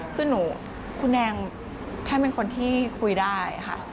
คือหนูคุณแดงแทบเป็นคนที่คุยได้ค่ะ